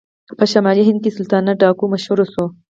په شمالي هند کې سلطانه ډاکو مشهور شو.